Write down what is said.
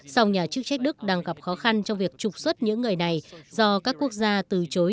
song nhà chức trách đức đang gặp khó khăn trong việc trục xuất những người này do các quốc gia từ chối